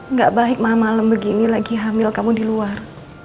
nggak baik mamalem begini lagi hamil kamu di luar